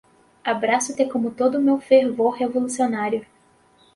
Abraço-te com todo o meu fervor revolucionário.